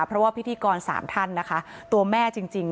เพราะว่าพิธีกร๓ท่านนะคะตัวแม่จริง